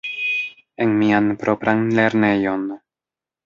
En mian propran lernejon.